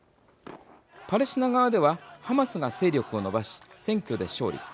パレスチナ側ではハマスが勢力をのばし選挙で勝利。